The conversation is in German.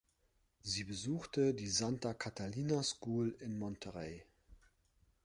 Sie besuchte die Santa Catalina School in Monterey.